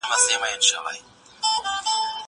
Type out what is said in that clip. زه درسونه اورېدلي دي!؟